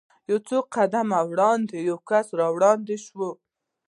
یو څو قدمه وړاندې یو کس ور وړاندې شو.